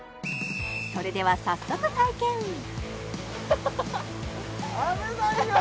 それでは早速体験危ない